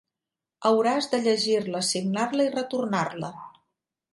Hauràs de llegir-la, signar-la i retornar-la.